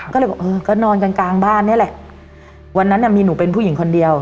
ก็เลยบอกเออก็นอนกลางกลางบ้านนี่แหละวันนั้นน่ะมีหนูเป็นผู้หญิงคนเดียว